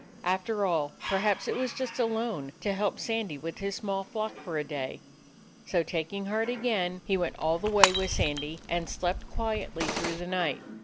After all, perhaps it was just a loan, to help Sandy with his small flock for a day. So, taking heart again, he went all the way with Sandy, and slept quietly through the night.